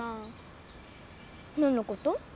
何のこと？